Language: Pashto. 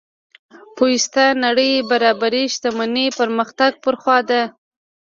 پیوسته نړۍ برابرۍ شتمنۍ پرمختګ پر خوا ده.